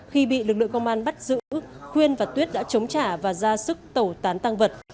khi bị lực lượng công an bắt giữ khuyên và tuyết đã chống trả và ra sức tẩu tán tăng vật